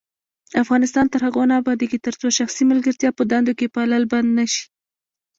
افغانستان تر هغو نه ابادیږي، ترڅو شخصي ملګرتیا په دندو کې پالل بند نشي.